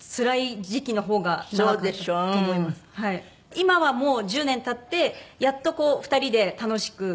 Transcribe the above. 今はもう１０年経ってやっとこう２人で楽しく。